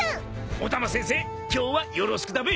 お玉先生今日はよろしくだべ。